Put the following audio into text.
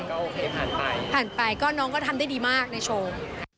ก็โอเคผ่านไปผ่านไปก็น้องก็ทำได้ดีมากในโชว์